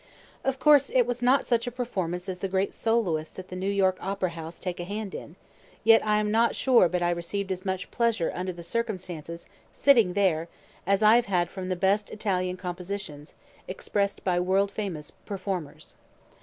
Of course it was not such a performance as the great soloists at the New York opera house take a hand in, yet I am not sure but I receiv'd as much pleasure under the circumstances, sitting there, as I have had from the best Italian compositions, express'd by world famous performers.